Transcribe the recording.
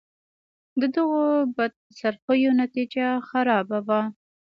د دغو بدخرڅیو نتیجه خرابه وه.